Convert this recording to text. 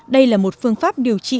đây là một phương pháp điều trị